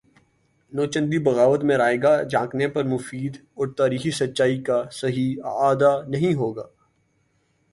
نوچندی بغاوت میں رائیگاں جھانکنے پر مفید اور تاریخی سچائی کا صحیح اعادہ نہیں ہو گا